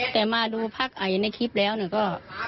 แต่มาดูในคลิปแล้วเนี่ยก็